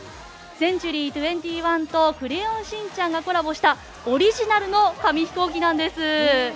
センチュリー２１と「クレヨンしんちゃん」がコラボした、オリジナルの紙ヒコーキなんです。